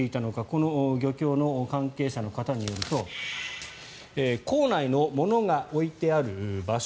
この漁協の関係者の方によると構内のものが置いてある場所